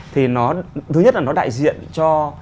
thứ nhất là nó đại diện cho